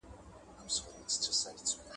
• ډبره د يتيم د سره نه چپېږى.